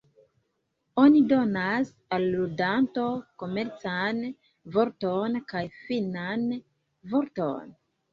Oni donas al ludanto komencan vorton kaj finan vorton.